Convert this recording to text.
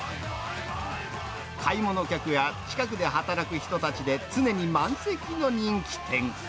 買い物客や近くで働く人たちで常に満席の人気店。